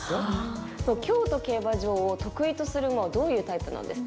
京都競馬場を得意とする馬はどういうタイプなんですか？